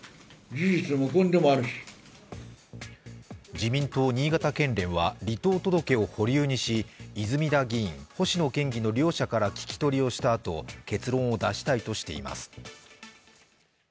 自民党新潟県連は離党届を保留にし泉田議員、星野県議の両者から聞き取りをしたあと結論を出したいとしています。